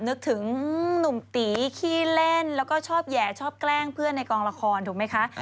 นึกถึงหนุ่มตีขี้เล่นแล้วก็ชอบแห่ชอบแกล้งเพื่อนในกองละครถูกไหมคะ